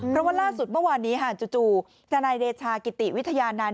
เพราะว่าล่าสุดเมื่อวานนี้จู่ทนายเดชากิติวิทยานันต์